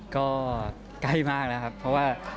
ก็ใกล้มากแล้วครับเพราะว่า